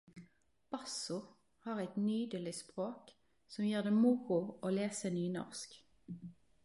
Basso har eit nydeleg språk som gjør det moro å lese nynorsk.